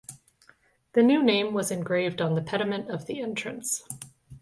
The new name was engraved on the pediment of the entrance.